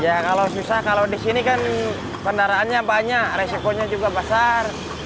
ya kalau susah kalau di sini kan kendaraannya banyak resikonya juga besar